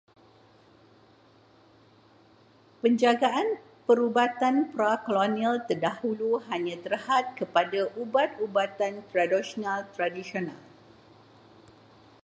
Penjagaan perubatan pra-kolonial terdahulu hanya terhad kepada ubat-ubatan tradisional tradisional.